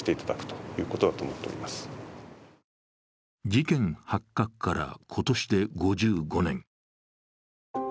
事件発覚から今年で５５年。